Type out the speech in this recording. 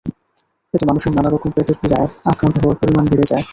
এতে মানুষের নানা রকম পেটের পীড়ায় আক্রান্ত হওয়ার পরিমাণ বেড়ে যায়।